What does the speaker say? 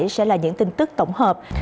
sẽ là những tin tức tổng hợp